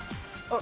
あ！